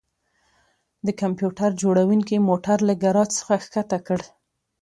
د کمپیوټر جوړونکي موټر له ګراج څخه ښکته کړ